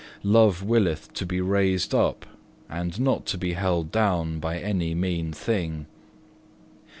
Love willeth to be raised up, and not to be held down by any mean thing.